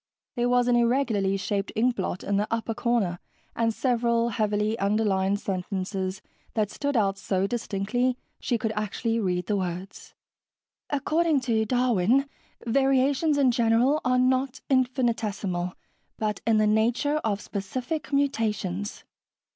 There was an irregularly shaped inkblot in the upper corner and several heavily underlined sentences that stood out so distinctly she could actually read the words. "According to Darwin, variations in general are not infinitesimal, but in the nature of specific mutations.